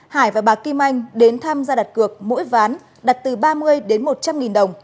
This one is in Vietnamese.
hải và bà kim anh đến tham gia đặt cược mỗi ván đặt từ ba mươi đến một trăm linh nghìn đồng